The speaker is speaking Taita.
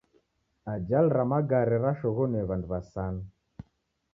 Ajali ra magare rashoghonue w'andu w'asanu.